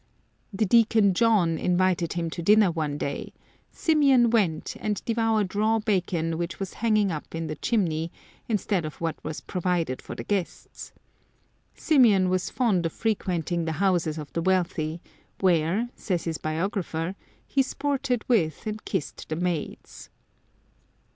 The Deacon John invited him to dinner one day, Symeon went, and devoured raw bacon which was hanging up in the chimney, instead of what was provided for the guests. Symeon was fond of frequenting the houses of the wealthy, where, says his biographer, he sported with and kissed the maids.